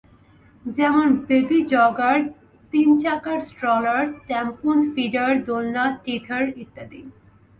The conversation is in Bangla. যেমন বেবি জগার, তিন চাকার স্ট্রলার, ট্যাম্পুন, ফিডার, দোলনা, টিথার ইত্যাদি।